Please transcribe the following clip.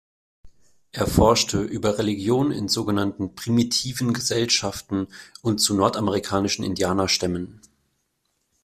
Er forschte über Religion in sogenannten „primitiven Gesellschaften“ und zu nordamerikanischen Indianerstämmen.